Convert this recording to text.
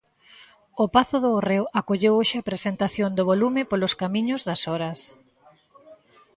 O Pazo do Hórreo acolleu hoxe a presentación do volume Polos camiños das horas.